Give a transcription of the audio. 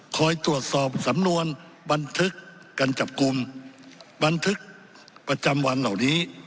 คอยตรวจสอบสำนวนบันทึกการจับกลุ่มบันทึกประจำวันเหล่านี้